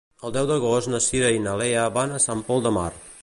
El deu d'agost na Cira i na Lea van a Sant Pol de Mar.